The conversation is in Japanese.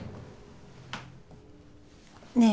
ねえ